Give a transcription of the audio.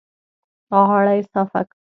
غاړه يې صافه کړه.